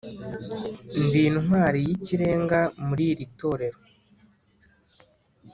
ndi intwari y'ikirenga muri iri torero